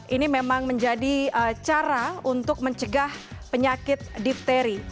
ini memang menjadi cara untuk mencegah penyakit difteri